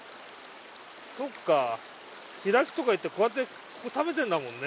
そっか開きとかいってこうやってここ食べてんだもんね